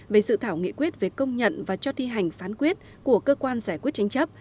về dự thảo nghị quyết về công nhận và cho thi hành phán quyết của cơ quan giải quyết tranh chấp